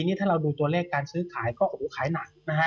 อันนี้ถ้าเราดูตัวเลขการซื้อขายก็ขายหนักนะฮะ